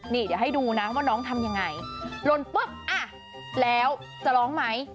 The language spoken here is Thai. นี่เดี๋ยวให้ดูนะว่าน้องทำยังไงลนปุ๊บอ่ะแล้วจะร้องไหม